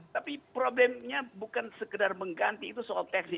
tapi problemnya bukan sekedar mengganti itu soal teksi